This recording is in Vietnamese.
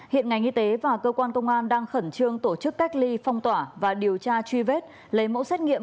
hiện ngành y tế và cơ quan công an đang khẩn trương tổ chức cách ly phong tỏa và điều tra truy vết lấy mẫu xét nghiệm